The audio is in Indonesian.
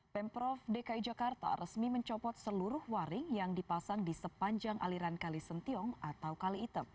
pemprov dki jakarta resmi mencopot seluruh waring yang dipasang di sepanjang aliran kali sentiong atau kali item